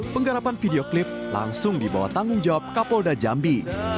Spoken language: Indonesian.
penggarapan video klip langsung dibawa tanggung jawab kapolda jambi